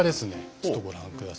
ちょっとご覧下さい。